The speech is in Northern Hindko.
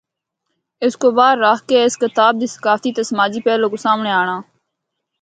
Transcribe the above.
اس کو باہر رکھ کہ اس کتاب دی ثقافتی تے سماجی پہلو کو سامنڑے آنڑاں۔